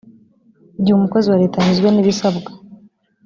igihe umukozi wa leta anyuzwe n ibisabwa